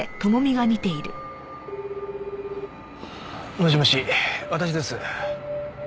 もしもし私です。